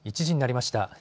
１時になりました。